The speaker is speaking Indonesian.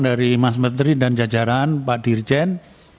dari mas menteri dan jajaran pak dirjen